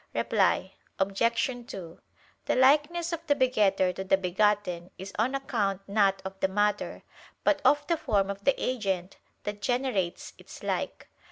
Reply Obj. 2: The likeness of the begetter to the begotten is on account not of the matter, but of the form of the agent that generates its like.